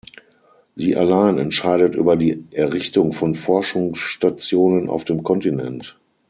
Sie allein entscheidet über die Errichtung von Forschungsstationen auf dem Kontinent.